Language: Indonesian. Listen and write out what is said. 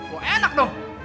wah enak dong